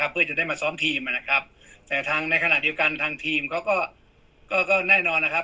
เพื่อจะได้มาซ้อมทีมนะครับแต่ทางในขณะเดียวกันทางทีมเขาก็แน่นอนนะครับ